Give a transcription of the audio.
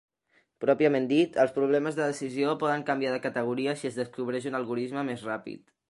Pròpiament dit, els problemes de decisió poden canviar de categoria si es descobreix un algorisme més ràpid.